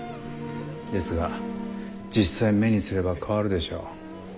ですが実際目にすれば変わるでしょう。